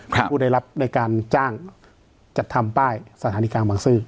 ผู้ได้รับในการจ้างจัดทำป้ายสถานีกลางบางซื่อ